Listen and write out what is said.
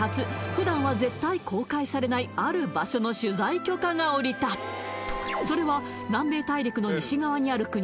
普段は絶対公開されないある場所の取材許可が下りたそれは南米大陸の西側にある国